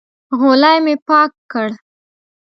غولی مې پاک کړ.